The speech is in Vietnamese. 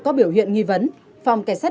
có biểu hiện nghi vấn phòng kẻ sát